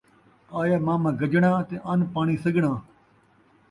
آیا ماما گجݨا تے ان پاݨی سڳݨا